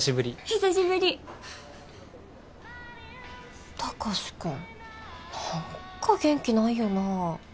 貴司君何か元気ないよな？